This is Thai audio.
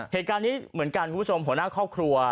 เหตุการณ์นี้เหมือนกันคุณผู้ชมหัวหน้าครอบครัว